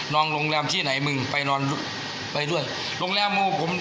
โรงแรมที่ไหนมึงไปนอนไปด้วยโรงแรมมึงผม